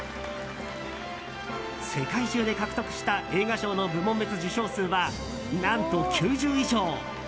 世界中で獲得した映画賞の部門別受賞数は何と９０以上！